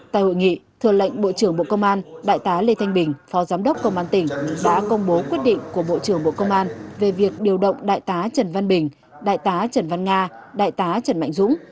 tại hội nghị thừa lệnh bộ trưởng bộ công an đại tá lê thanh bình phó giám đốc công an tỉnh đã công bố quyết định của bộ trưởng bộ công an về việc điều động đại tá trần văn bình đại tá trần văn nga đại tá trần mạnh dũng